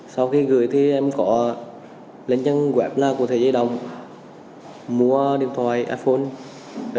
sau khi gửi thì em có lên trang web là của thế giới đồng mua điện thoại iphone